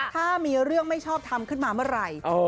ถ้ามีเรื่องไม่ชอบทำขึ้นมาเมื่อไหร่